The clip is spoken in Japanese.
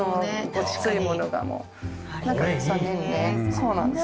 そうなんです。